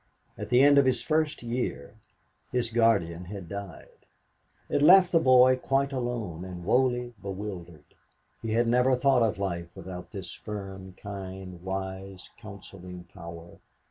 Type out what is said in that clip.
At the end of his first year his guardian had died. It left the boy quite alone and wholly bewildered. He had never thought of life without this firm, kind, wise, counseling power.